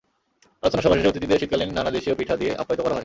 আলোচনা সভা শেষে অতিথিদের শীতকালীন নানান দেশীয় পিঠা দিয়ে আপ্যায়িত করা হয়।